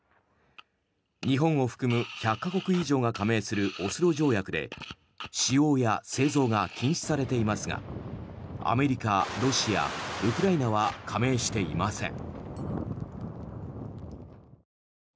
日本を含む１００か国以上が加盟するオスロ条約で使用や製造が禁止されていますがアメリカ、ロシア、ウクライナは加盟していません。